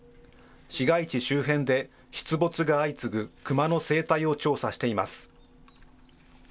市街地周辺で出没が相次ぐクマの生態を調査しています。